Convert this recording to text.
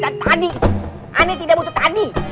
anda tidak butuh tadi